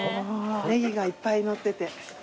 ネギがいっぱい載ってて。